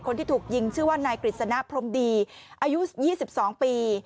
คนที่ถูกยิงชื่อว่านายกฤษณะพรมดีอายุ๒๒ปี